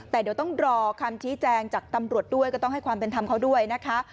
แต่เดี๋ยวต้องรอคำชี้แจงจากตำรวจด้วยก็ต้องให้ความเป็นธรรมเขาด้วยนะคะ